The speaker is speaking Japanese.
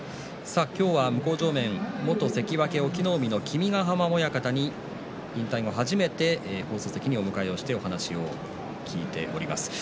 今日は向正面、元関脇隠岐の海の君ヶ濱親方に引退後、初めて放送席にお迎えをしてお話を聞いております。